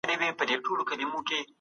هغه به خپل حق له ظالم څخه واخلي.